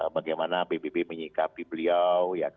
bagaimana pbb menyikapi beliau